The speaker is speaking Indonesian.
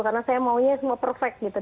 karena saya maunya semua perfect gitu